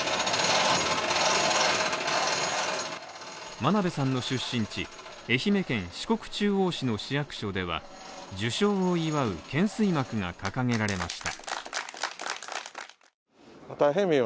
真鍋さんの出身地愛媛県四国中央市の市役所では、受賞を祝う懸垂幕が掲げられました。